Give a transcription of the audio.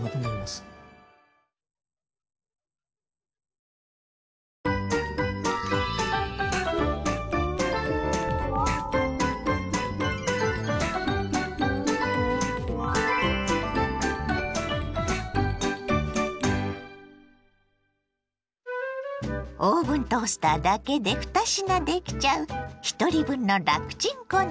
私はオーブントースターだけで２品できちゃうひとり分の楽チン献立。